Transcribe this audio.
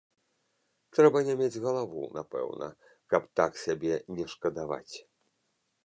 Трэба не мець галаву, напэўна, каб так сябе не шкадаваць!